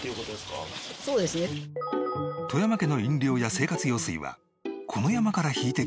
外山家の飲料や生活用水はこの山から引いてきた沢水。